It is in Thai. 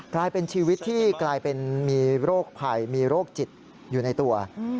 กลายเป็นชีวิตที่กลายเป็นมีโรคภัยมีโรคจิตอยู่ในตัว